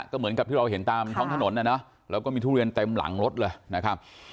ก็เหมือนกับที่เราเห็นตามท้องถนนนะเนอะแล้วก็มีทุเรียนเต็มหลังรถเลยนะครับ